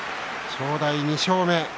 正代、２勝目です。